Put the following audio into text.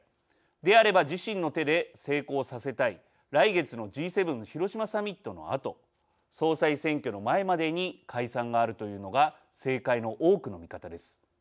であれば自身の手で成功させたい来月のＧ７広島サミットのあと総裁選挙の前までに解散があるというのが政界の多くの見方です。